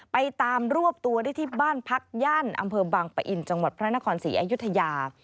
ไปตามรวบตัวได้ที่บ้านพักย่านอำเภอบางปะอินจังหวัดพระนครศรีอยุธยา